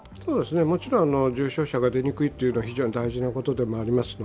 もちろん重症者が出にくいというのは非常に大事なことでもあります。